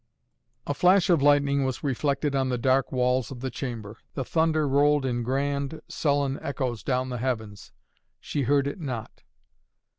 A flash of lightning was reflected on the dark walls of the chamber. The thunder rolled in grand sullen echoes down the heavens. She heard it not.